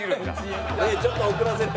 ちょっと遅らせれば。